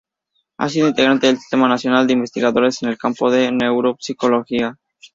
Ha sido integrante del Sistema Nacional de Investigadores en el campo de la neuropsicología.